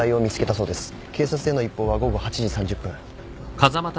警察への一報は午後８時３０分。